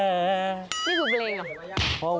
นี่พู่เพลงเหรอ